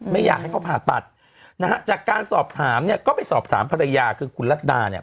ไม่อยากให้เขาผ่าตัดนะฮะจากการสอบถามเนี่ยก็ไปสอบถามภรรยาคือคุณรัฐดาเนี่ย